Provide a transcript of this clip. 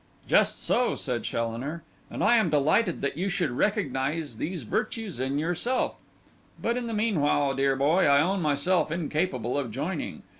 'Just so,' said Challoner; 'and I am delighted that you should recognise these virtues in yourself. But in the meanwhile, dear boy, I own myself incapable of joining.